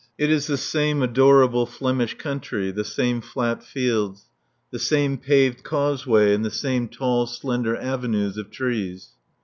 It is the same adorable Flemish country, the same flat fields, the same paved causeway and the same tall, slender avenues of trees.